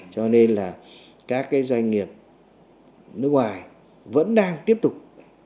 cho nên là các cái doanh nghiệp nước ngoài vẫn đang tiếp tục